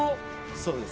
そうです。